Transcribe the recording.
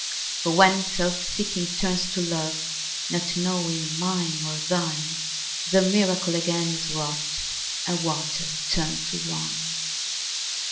For when self seeking turns to love, Not knowing mine nor thine, The miracle again is wrought, And water turned to wine.